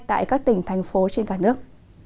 tại các tỉnh thành phố trên cả nước